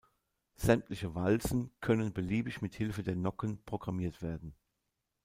Sämtliche Walzen können beliebig mithilfe der Nocken „programmiert“ werden.